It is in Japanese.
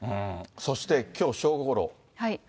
そしてきょう正午ごろ。